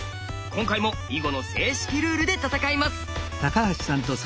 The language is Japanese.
今回も囲碁の正式ルールで戦います！